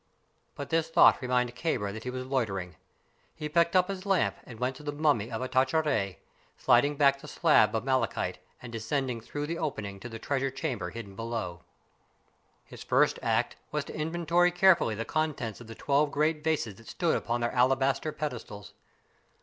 But this thought reminded Kāra that he was loitering. He picked up his lamp and went to the mummy of Ahtka Rā, sliding back the slab of malachite and descending through the opening to the treasure chamber hidden below. His first act was to inventory carefully the contents of the twelve great vases that stood upon their alabaster pedestals.